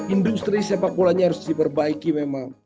industri sepak bolanya harus diperbaiki memang